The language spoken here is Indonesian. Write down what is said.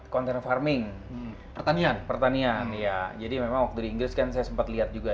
konten farming pertanian pertanian ya jadi memang waktu di inggris kan saya sempat lihat juga